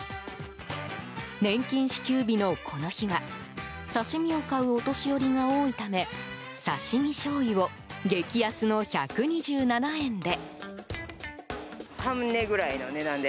年金支給日のこの日は刺し身を買うお年寄りが多いため刺し身しょうゆを激安の１２７円で。